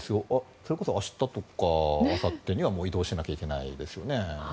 それこそ明日とかあさってには移動しなきゃいけないですよね。